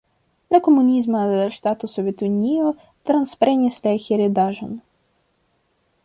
La komunisma ŝtato Sovetunio transprenis la heredaĵon.